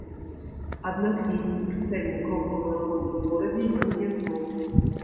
Аднак весці прыцэльны кропкавы агонь у горадзе ён не змог.